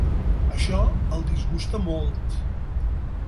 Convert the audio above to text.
Això el disgusta molt.